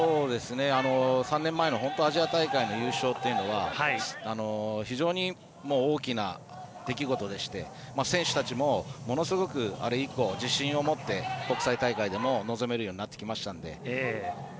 ３年前のアジア大会の優勝というのは非常に大きな出来事でして選手たちもものすごくあれ以降、自信を持って国際大会でも臨めるようになってきましたので。